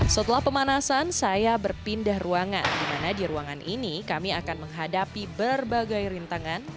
setelah pemanasan saya berpindah ruangan di mana di ruangan ini kami akan menghadapi berbagai rintangan